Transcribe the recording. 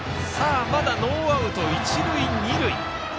まだノーアウト一塁二塁。